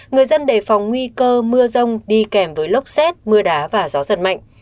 người dân đề phòng nguy cơ mưa rông đi kèm với lốc xét mưa đá và gió giật mạnh